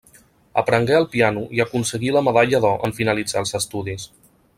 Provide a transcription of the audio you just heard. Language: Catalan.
Aprengué el piano i aconseguí la medalla d'or en finalitzar els estudis.